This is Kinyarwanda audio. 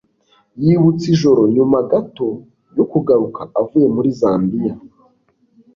yibutse ijoro nyuma gato yo kugaruka avuye muri zambiya